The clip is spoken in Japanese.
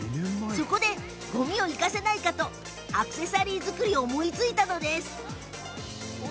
そこでごみを生かせないかとアクセサリー作りを思いついたのです。